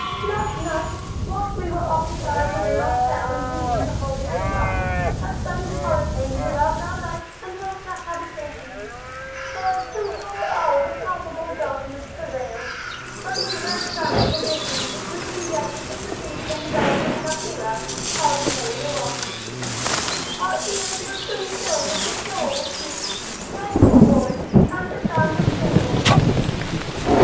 Last night, whilst we were occupied within our cell in reading the holy Koran, a sudden hurricane blew out our lights and rocked our habitation; for two whole hours a palpable darkness prevailed, but we heard sounds at a distance which we conjectured to proceed from the bells of a Cafila passing over the rocks; our ears were soon filled with deplorable shrieks, frightful roarings, and the sound of tymbals.